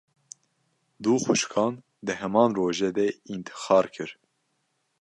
Du xwişkan, di heman rojê de întixar kir